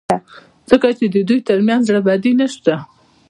ځکه چې د دوی ترمنځ زړه بدي نشته.